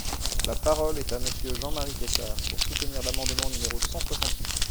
La parole est à Monsieur Jean-Marie Tetart, pour soutenir l’amendement numéro cent soixante-huit.